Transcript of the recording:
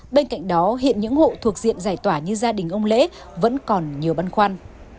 bên cạnh đó hiện những hộ thuộc diện giải tỏa như gia đình ông lễ vẫn còn nhiều băn khoăn